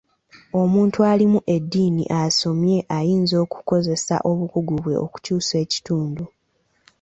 Omuntu alimu edddiini asomye ayinza okukozesa obukugu bwe okukyusa ekitundu.